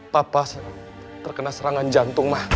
papa terkena serangan jantung mah